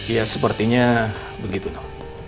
ya sepertinya begitu no